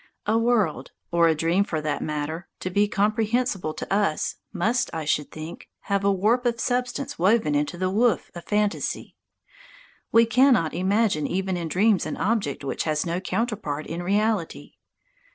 A world, or a dream for that matter, to be comprehensible to us, must, I should think, have a warp of substance woven into the woof of fantasy. We cannot imagine even in dreams an object which has no counterpart in reality.